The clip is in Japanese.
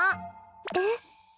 えっ？